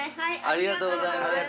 ありがとうございます。